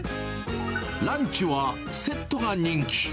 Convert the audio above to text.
ランチはセットが人気。